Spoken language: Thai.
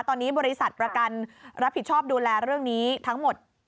ตอนนี้บริษัทประกันรับผิดชอบดูแลเรื่องนี้ทั้งหมด